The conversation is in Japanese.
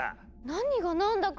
何が何だか。